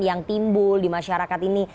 yang timbul di masyarakat ini